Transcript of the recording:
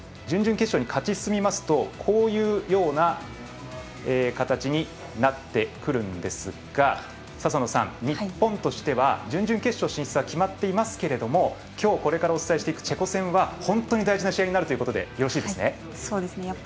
準々決勝に勝ち進みますとこういうような形になってくるんですが日本としては準々決勝進出は決まっていますけれどもきょうこれからお伝えしていくチェコ戦は本当に大事な試合になるということでいいですね？